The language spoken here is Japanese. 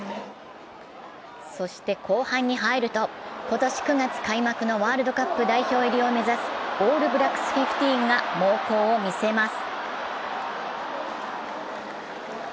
そして後半に入ると、今年９月開幕のワールドカップ代表入りを目指すオールブラックス・フィフティーンが猛攻をみせます。